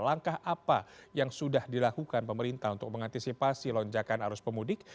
langkah apa yang sudah dilakukan pemerintah untuk mengantisipasi lonjakan arus pemudik